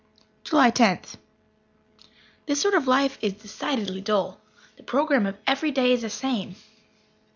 July Tenth. This sort of life is decidedly dull. The program of every day is the same.